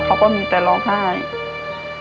เขาก็มีแต่ร้องไห้